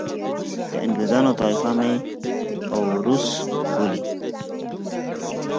د انګریزانو طایفه مې اوروس بولي.